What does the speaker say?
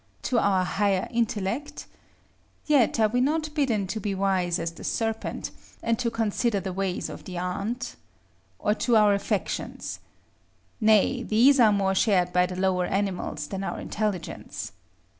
To our higher intellect? yet are we not bidden to be wise as the serpent, and to consider the ways of the ant? or to our affections? nay; these are more shared by the lower animals than our intelligence.